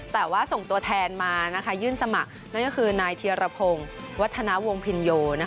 แต่ว่าส่งตัวแทนมายื่นสมัครนั่นก็คือนายเทียรพงศ์วัฒนาวงพินโย